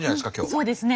そうですね。